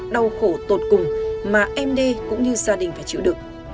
đau khổ tột cùng mà md cũng như gia đình phải chịu được